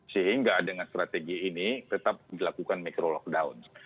sehingga dengan strategi ini tetap dilakukan micro lockdown